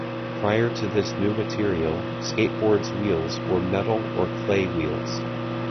Prior to this new material, skateboards wheels were metal or "clay" wheels.